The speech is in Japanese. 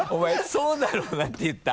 「そうだろうな」って言った？